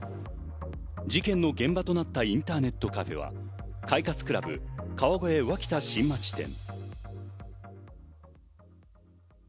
事件の現場となったインターネットカフェは、快活ＣＬＵＢ川越脇田新町店。